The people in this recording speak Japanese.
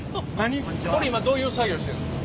これ今どういう作業してるんですか？